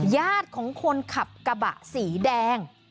ญาติของคนขับกระบะสีแดง